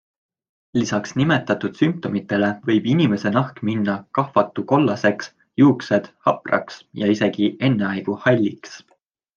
Lisaks nimetatud sümptomitele võib inimese nahk minna kahvatukollaseks, juuksed hapraks ja isegi enneaegu halliks.